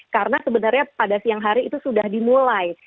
karena sebenarnya pada siang hari itu sudah dimulai